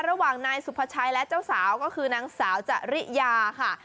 ระหว่างนายสุภาชัยและเจ้าสาวก็คือนางสาวจริยาค่ะ